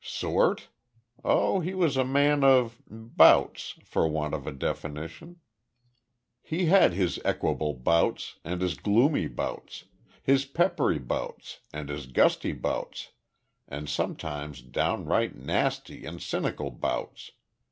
"Sort? Oh he was a man of bouts, for want of a definition. He had his equable bouts, and his gloomy bouts, his peppery bouts and his gusty bouts, and sometimes downright nasty and cynical bouts.